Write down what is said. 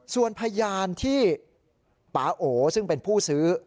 ส่วนพยานที่ปาโอซึ่งเป็นผู้ซื้อ